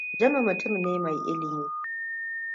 Jami mutum ne mai ilimi.